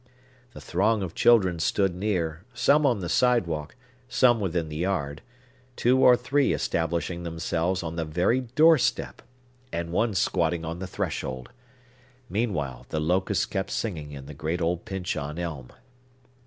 The throng of children stood near; some on the sidewalk; some within the yard; two or three establishing themselves on the very door step; and one squatting on the threshold. Meanwhile, the locust kept singing in the great old Pyncheon Elm.